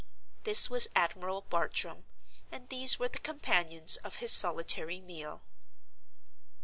This was Admiral Bartram, and these were the companions of his solitary meal.